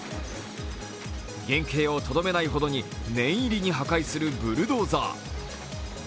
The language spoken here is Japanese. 原形をとどめないほどに念入りに破壊するブルドーザー。